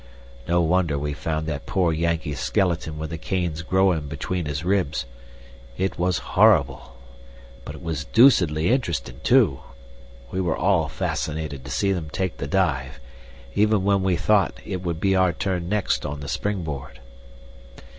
No wonder we found that poor Yankee's skeleton with the canes growin' between his ribs. It was horrible but it was doocedly interestin' too. We were all fascinated to see them take the dive, even when we thought it would be our turn next on the spring board.